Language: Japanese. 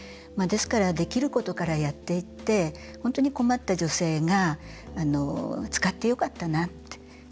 ですから、できることからやっていって、本当に困った女性が使ってよかったなと。